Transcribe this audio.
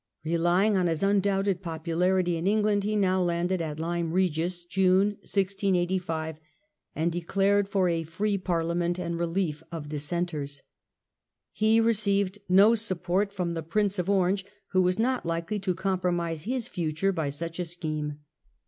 Relying on his undoubted popularity in England he now landed at Lyme Regis (June, 1685), and declared for a free Parliament and relief of Dissenters. He received no support from the Prince of Orange, who was not likely to compromise his future by such a scheme.